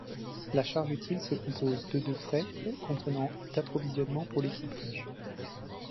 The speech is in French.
La charge utile se compose de de fret, comprenant d'approvisionnement pour l'équipage.